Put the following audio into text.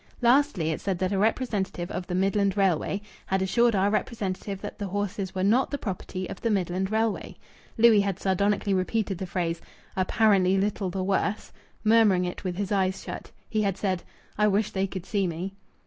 Lastly, it said that a representative of the Midland Railway had "assured our representative that the horses were not the property of the Midland Railway." Louis had sardonically repeated the phrase "apparently little the worse," murmuring it with his eyes shut. He had said, "I wish they could see me."